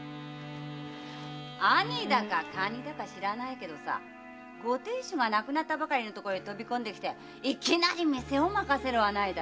兄だかカニか知らないがご亭主が亡くなったばかりのとこへ飛び込んできていきなり「店を任せろ」はないだろ？